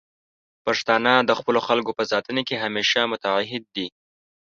پښتانه د خپلو خلکو په ساتنه کې همیشه متعهد دي.